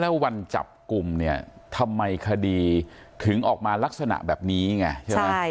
แล้ววันจับกลุ่มเนี่ยทำไมคดีถึงออกมาลักษณะแบบนี้ไงใช่ไหม